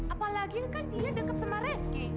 apalagi kan dia deket sama reski